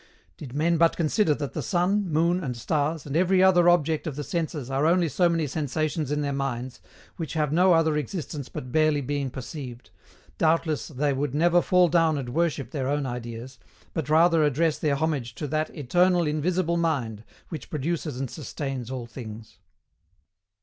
Did men but consider that the sun, moon, and stars, and every other object of the senses are only so many sensations in their minds, which have no other existence but barely being perceived, doubtless they would never fall down and worship their own ideas, but rather address their homage to that ETERNAL INVISIBLE MIND which produces and sustains all things.